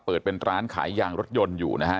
เปิดเป็นร้านขายยางรถยนต์อยู่นะฮะ